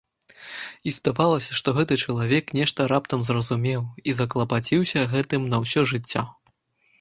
І здавалася, што гэты чалавек нешта раптам зразумеў і заклапаціўся гэтым на ўсё жыццё.